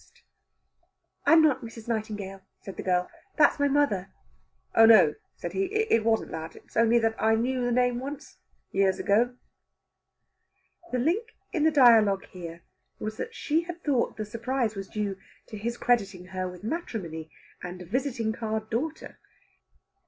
|||++ "I'm not Mrs. Nightingale," said the girl. "That's my mother." "Oh no!" said he. "It wasn't that. It was only that I knew the name once years ago." The link in the dialogue here was that she had thought the surprise was due to his crediting her with matrimony and a visiting card daughter.